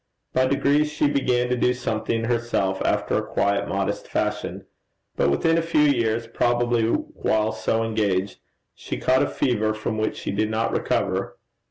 By degrees she began to do something herself after a quiet modest fashion. But within a few years, probably while so engaged, she caught a fever from which she did not recover.